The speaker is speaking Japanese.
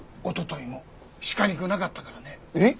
おとといも鹿肉なかったからね。